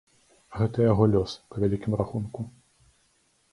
Гэта яго лёс, па вялікім рахунку.